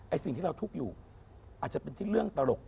สิ่งที่เราทุกข์อยู่อาจจะเป็นที่เรื่องตลก